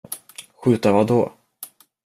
Skjuta vad då?